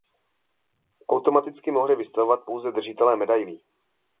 Automaticky mohli vystavovat pouze držitelé medailí.